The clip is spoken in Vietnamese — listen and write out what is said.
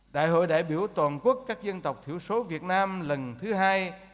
đại hội đại biểu toàn quốc các dân tộc thiểu số việt nam lần thứ hai